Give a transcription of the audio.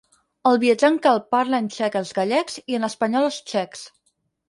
El viatjant calb parla en txec als gallecs i en espanyol als txecs.